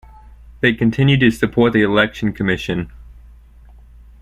They continue to support the election commission.